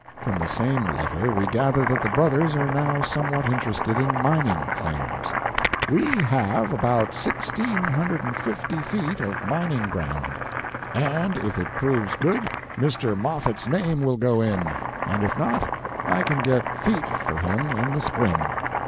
From the same letter we gather that the brothers are now somewhat interested in mining claims: "We have about 1,650 feet of mining ground, and, if it proves good, Mr. Moffett's name will go in; and if not, I can get 'feet' for him in the spring."